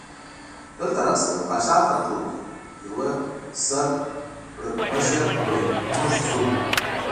دلته راشئ او خاشاک را ټول کړئ، یوه سر پړکمشر وویل: موږ ځو.